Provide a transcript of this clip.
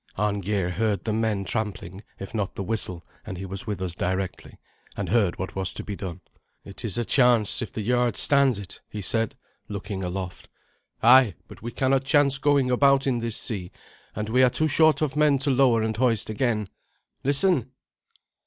Arngeir heard the men trampling, if not the whistle, and he was with us directly, and heard what was to be done. "It is a chance if the yard stands it," he said, looking aloft. "Ay, but we cannot chance going about in this sea, and we are too short of men to lower and hoist again. Listen!"